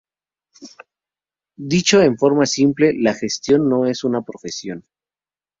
Dicho en forma simple, la "gestión" no es una profesión.